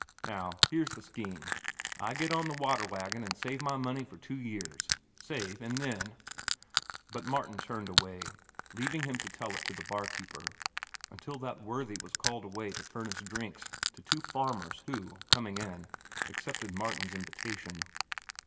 Now here's the scheme. I get on the water wagon an' save my money for two years—save an' then—" But Martin turned away, leaving him to tell it to the barkeeper, until that worthy was called away to furnish drinks to two farmers who, coming in, accepted Martin's invitation.